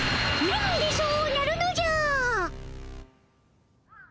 なんでそうなるのじゃ。